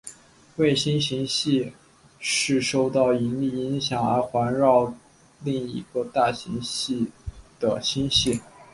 卫星星系是受到引力影响而环绕另一个大星系的星系。